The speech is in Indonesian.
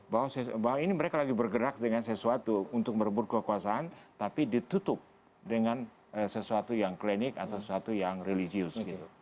bahwa ini mereka lagi bergerak dengan sesuatu untuk merebut kekuasaan tapi ditutup dengan sesuatu yang klinik atau sesuatu yang religius